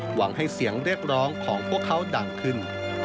หวังให้เสียงเรียกร้องของพวกเขาดังขึ้น